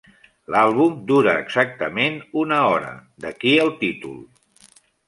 L'àlbum dura exactament una hora, d'aquí el títol.